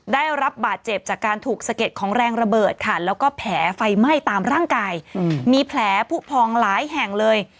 ได้รับบาดเจ็บจากการถูกสะเก็ดของแรงระเบิดค่ะแล้วก็แผลไฟไหม้ตามร่างกายมีแผลผู้พองหลายแห่งเลย